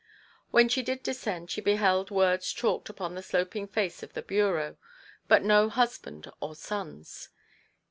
When she did descend she beheld words chalked upon the sloping face of the bureau ; but no TO PLEASE HIS WIFE. 133 husband or sons.